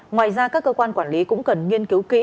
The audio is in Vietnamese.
ngoài ra các cơ quan quản lý cũng cần nghiên cứu kỹ